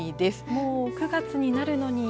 もう９月になるのに。